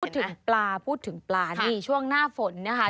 ถึงปลาพูดถึงปลานี่ช่วงหน้าฝนนะคะ